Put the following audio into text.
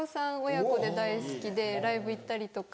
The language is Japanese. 親子で大好きでライブ行ったりとか。